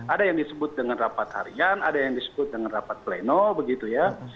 ada yang disebut dengan rapat harian ada yang disebut dengan rapat pleno begitu ya